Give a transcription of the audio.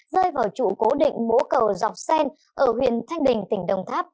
rơi vào trụ cố định mỗ cầu dọc sen ở huyện thanh bình tỉnh đồng tháp